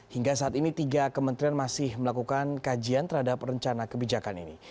hingga saat ini tiga kementerian masih melakukan kajian terhadap rencana kebijakan ini